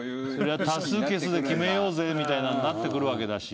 多数決で決めようぜみたいなのなってくるわけだし。